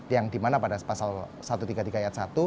yang dimana pada pasal satu ratus tiga puluh tiga ayat satu